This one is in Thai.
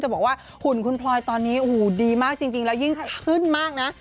บอกว่าหุ่นคุณพลอยตอนนี้โอ้โหดีมากจริงแล้วยิ่งขึ้นมากนะ